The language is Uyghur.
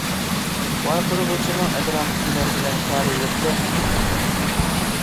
ۋارقىرىغۇچىنىڭ ئەتراپىدىكىلەر بىلەن كارى يوقتەك ئىدى.